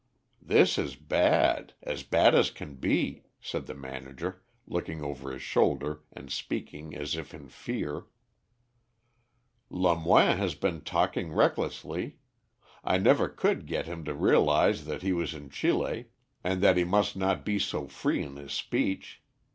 "This is bad; as bad as can be," said the manager, looking over his shoulder, and speaking as if in fear. "Lemoine has been talking recklessly. I never could get him to realise that he was in Chili, and that he must not be so free in his speech.